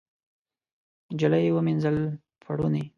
نجلۍ ومینځل پوړني